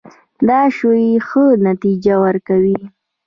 دا شیوه ښه نتیجه ورکوي.